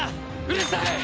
うるさい！